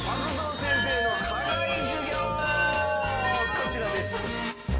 こちらです。